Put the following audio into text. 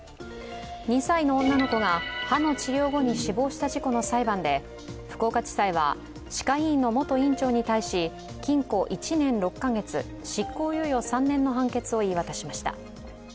２歳の女の子が歯の治療後に死亡した事故の裁判で福岡地裁は歯科医院の元院長に対し、禁錮１年６カ月、執行猶予３年の判決を言い渡しました。